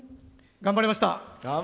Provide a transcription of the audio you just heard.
頑張りました！